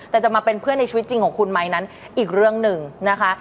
แต่จะมาเป็นเพื่อนในชีวิตจริงของคุณไหมนั้นอีกเรื่องหนึ่งนะคะ